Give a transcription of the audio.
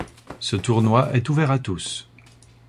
Ce tournoi est ouvert à tous.